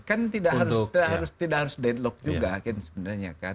kan tidak harus deadlock juga kan sebenarnya kan